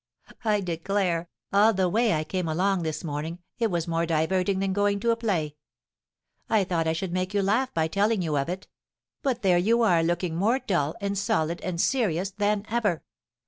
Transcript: I declare, all the way I came along this morning, it was more diverting than going to a play. I thought I should make you laugh by telling you of it; but there you are looking more dull, and solid, and serious than ever!"